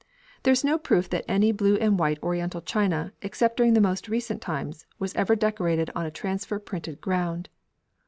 There is no proof that any blue and white Oriental china, except during the most recent times, was ever decorated on a transfer printed ground.